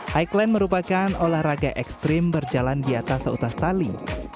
highland merupakan olahraga ekstrim berjalan di atas seutas tali